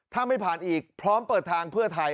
ถ้าไม่ผ่านอีกพร้อมเปิดทางเพื่อไทย